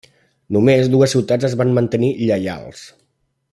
Només dues ciutats es van mantenir lleials: